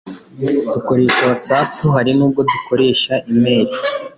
dukoresha whatsapp hari nubwo dukoresha email,